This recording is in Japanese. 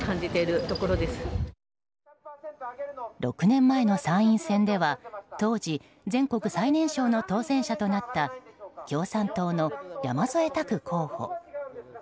６年前の参院選では当時全国最年少の当選者となった共産党の山添拓候補。